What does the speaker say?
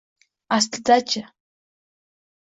Aslida-chi?!